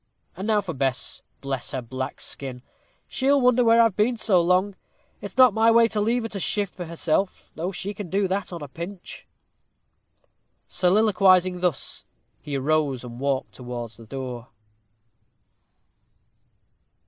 And now for Bess! Bless her black skin! she'll wonder where I've been so long. It's not my way to leave her to shift for herself, though she can do that on a pinch." Soliloquizing thus, he arose and walked towards the door.